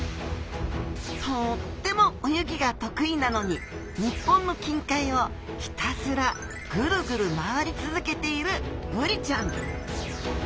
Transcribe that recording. とっても泳ぎが得意なのに日本の近海をひたすらグルグル回り続けているブリちゃん。